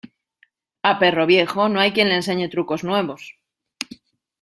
A perro viejo, no hay quien le enseñe trucos nuevos.